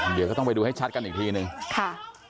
เดี๋ยวก็ต้องไปดูให้ชัดกันอีกทีนึงค่ะ